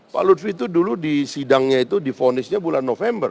pak ludwi itu dulu di sidangnya itu di vonisnya bulan november